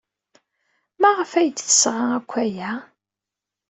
Maɣef ay d-tesɣa akk aya?